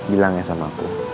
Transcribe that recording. bilang ya sama aku